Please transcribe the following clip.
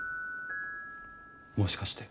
もしかして。